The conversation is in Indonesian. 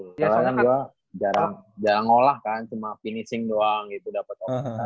gara gara kan gue jarang ngolah kan cuma finishing doang gitu dapet